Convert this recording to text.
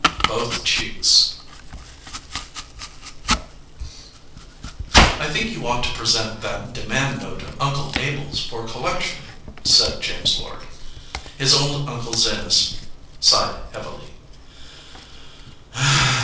BOTH CHEEKS "T THINK you ought to present that demand A note of Uncle Abel s for collection," said James Lord. His old uncle Zenas sighed heavily.